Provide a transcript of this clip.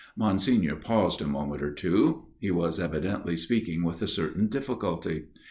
Monsignor paused a moment or two. He was evidently speaking with a certain difficulty.